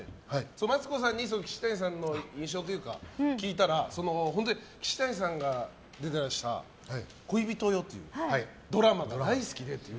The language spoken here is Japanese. マツコさんに岸谷さんの印象を聞いたら岸谷さんが出てらした「恋人よ」っていうドラマが大好きでって。